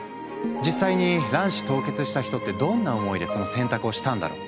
実際に卵子凍結した人ってどんな思いでその選択をしたんだろう？